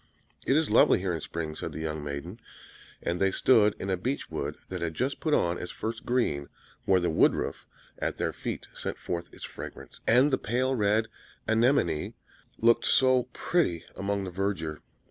"It is lovely here in spring!" said the young maiden. And they stood in a beech wood that had just put on its first green, where the woodroof [*] at their feet sent forth its fragrance, and the pale red anemony looked so pretty among the verdure.